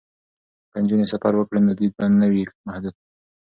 که نجونې سفر وکړي نو دید به نه وي محدود.